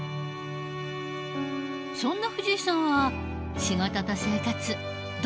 そんな藤井さんは仕事と生活どっちが大事？